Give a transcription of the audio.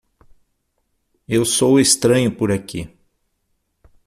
Eu sou o estranho por aqui.